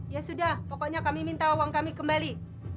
ya sudah pokoknya kami minta uang kami kembali